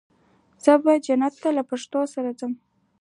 زه به جنت ته له پښتو سره ځم.